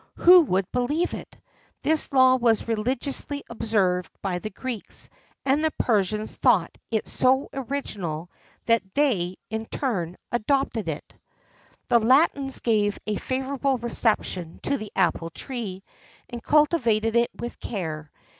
Who would believe it? This law was religiously observed by the Greeks, and the Persians thought it so original that they, in their turn, adopted it.[XIII 23] The Latins gave a favourable reception to the apple tree, and cultivated it with care.